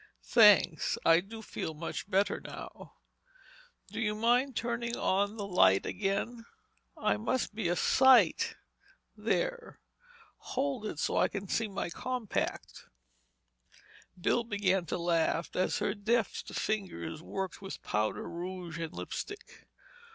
"Thanks—I do feel much better now. Do you mind turning on the light again? I must be a sight. There—hold it so I can see in my compact." Bill began to laugh as her deft fingers worked with powder, rouge and lipstick.